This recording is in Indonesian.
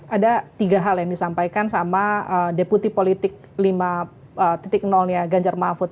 ada tiga hal yang disampaikan sama deputi politiknya ganjar mahfud